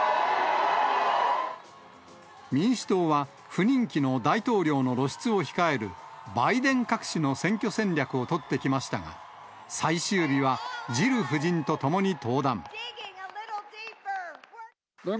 民主党は、不人気の大統領の露出を控える、バイデン隠しの選挙戦略を取ってきましたが、最終日は、ジル夫人と共に登壇。